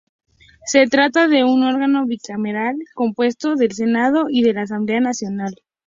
Se trata de un órgano bicameral, compuesto del Senado y de la Asamblea Nacional.